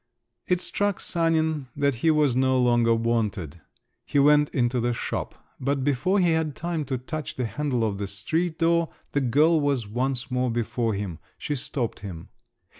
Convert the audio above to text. It struck Sanin that he was no longer wanted; he went into the shop. But before he had time to touch the handle of the street door, the girl was once more before him; she stopped him.